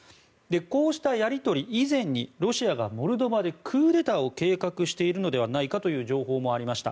こうしたやり取り以前にロシアがモルドバでクーデターを計画しているのではないかという情報もありました。